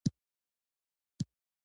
الله کبيره !ځواني مرګ شې.